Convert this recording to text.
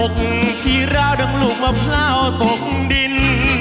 ขี่ราวดังลูกมะพร้าวตกดิน